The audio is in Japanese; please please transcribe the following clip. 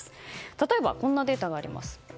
例えば、こんなデータがあります。